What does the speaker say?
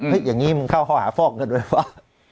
เห้ยอย่างนี้มึงเข้าห้อหาฟอกเงินหรือเปล่า